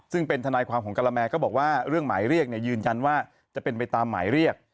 ซึ่งเป็นทนายความของกะละแมก็บอกว่าเรื่องหมายเรียกยืนยันว่าจะเป็นไปตามหมายเรียก